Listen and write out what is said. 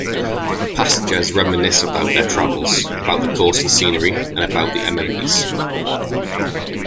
Passengers reminisce about their travels, about the coastal scenery, and about the amenities.